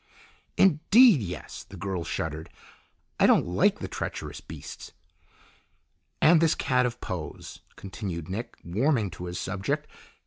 "Indeed yes!" The girl shuddered. "I don't like the treacherous beasts!" "And this cat of Poe's," continued Nick, warming to his subject.